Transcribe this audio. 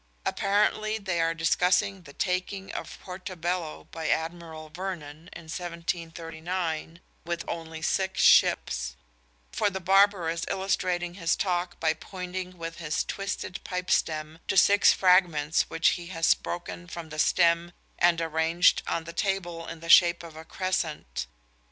Apparently they are discussing the taking of Portobello by Admiral Vernon in 1739 with only six ships; for the barber is illustrating his talk by pointing with his twisted pipe stem to six fragments which he has broken from the stem and arranged on the table in the shape of a crescent.